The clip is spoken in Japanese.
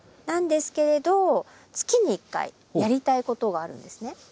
なんですけれど月に１回やりたいことがあるんですね。